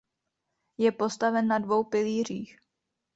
Je postaven na dvou pilířích.